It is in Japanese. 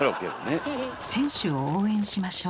選手を応援しましょう。